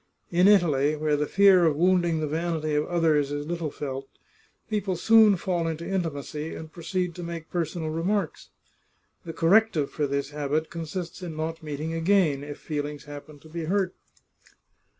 In Italy, where the fear of wounding the vanity of others is little felt, people soon fall into intimacy, and proceed to make personal remarks. The corrective for this habit consists in not meeting again, if feelings happen to be hurt.